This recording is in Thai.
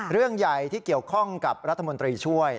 เรื่องใหญ่ที่เกี่ยวข้องกับรัฐมนตรีช่วย